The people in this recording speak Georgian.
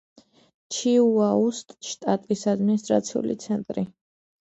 ჩიუაუის შტატის ადმინისტრაციული ცენტრი.